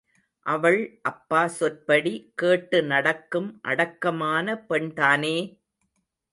அவள் அப்பா சொற்படி கேட்டு நடக்கும் அடக்கமான பெண் தானே!